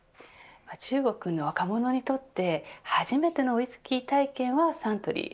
中国の若者にとって初めてのウイスキー体験はサントリー。